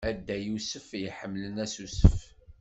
A Dda Yusef iḥemmlen asusef.